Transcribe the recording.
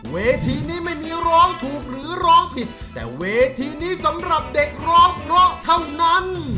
เวทีนี้ไม่มีร้องถูกหรือร้องผิดแต่เวทีนี้สำหรับเด็กร้องเพราะเท่านั้น